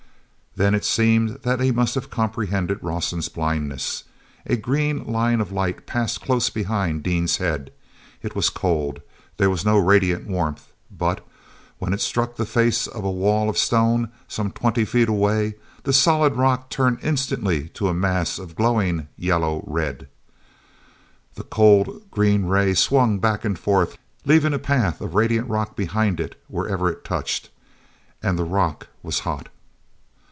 Then it seemed that he must have comprehended Rawson's blindness. A green line of light passed close behind Dean's head. It was cold—there was no radiant warmth—but, when it struck the face of a wall of stone some twenty feet away, the solid rock turned instantly to a mass of glowing yellow red. The cold green ray swung back and forth, leaving a path of radiant rock behind it wherever it touched. And the rock was hot!